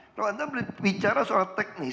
kalau anda bicara soal teknis